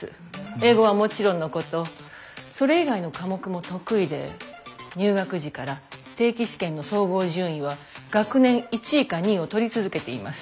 英語はもちろんのことそれ以外の科目も得意で入学時から定期試験の総合順位は学年１位か２位を取り続けています。